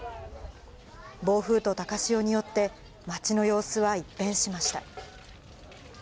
暴風と高潮によって、街の様子は一変しました。